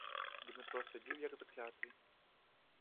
Дмитро сидів як заклятий.